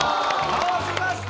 倒しました！